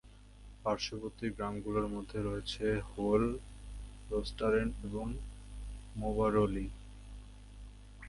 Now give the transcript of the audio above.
পার্শ্ববর্তী গ্রামগুলোর মধ্যে রয়েছে হেল, রোস্টারেন এবং মোবারলি।